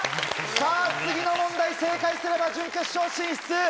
さぁ次の問題正解すれば準決勝進出！